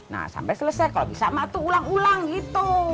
nah sampai selesai kalau bisa mati ulang ulang gitu